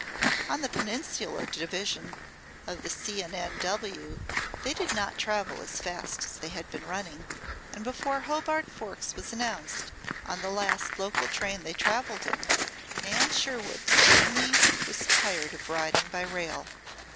On the Peninsula Division of the C. & N. W. they did not travel as fast as they had been running, and before Hobart Forks was announced on the last local train they traveled in, Nan Sherwood certainly was tired of riding by rail.